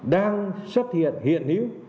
đang xuất hiện hiện hiếu